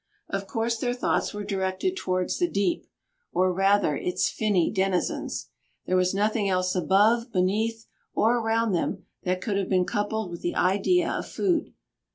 Of course their thoughts were directed towards the deep, or rather its finny denizens. There was nothing else above, beneath, or around them that could have been coupled with the idea of food.